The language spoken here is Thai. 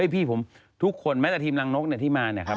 พี่ผมทุกคนแม้แต่ทีมนางนกที่มา